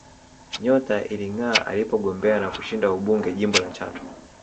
Nyota ilingaa alipogombea na kushinda ubunge jimbo la Chato